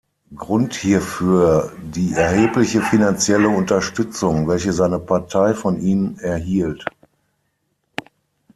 Grund hierfür die erhebliche finanzielle Unterstützung, welche seine Partei von ihm erhielt.